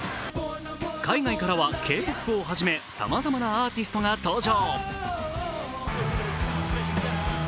海外からはＫ−ＰＯＰをはじめさまざまなアーティストが登場。